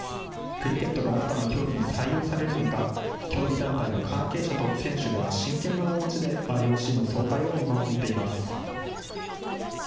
クリケットが新たな競技に採用されるのか競技団体の関係者と選手が真剣な面持ちでＩＯＣの総会を見守っています。